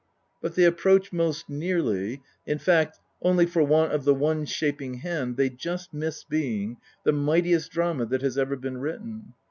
Hut they approach most nearly in fact, only for want of the one shaping hand, they just miss being the mightiest drama that has ever been written.